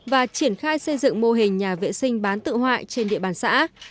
và triển khai xây dựng mô hình nhà vệ sinh bán tự hoại trên địa bàn xã